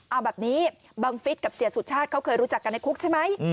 เอาแบบนี้บังฟิศกับเสียสุชาติเขาเคยรู้จักกันในคุกใช่ไหม